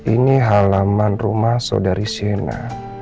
ini halaman rumah saudari shena